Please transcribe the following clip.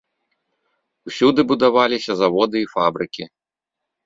Усюды будаваліся заводы і фабрыкі.